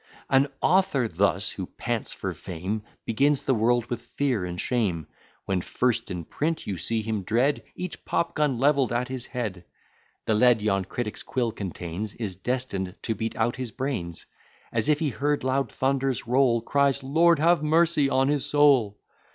An author thus, who pants for fame, Begins the world with fear and shame; When first in print you see him dread Each pop gun levell'd at his head: The lead yon critic's quill contains, Is destined to beat out his brains: As if he heard loud thunders roll, Cries, Lord have mercy on his soul!